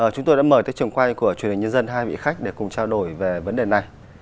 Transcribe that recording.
chúng tôi đã mời tới trường quay của truyền hình nhân dân hai vị khách để cùng trao đổi về vấn đề này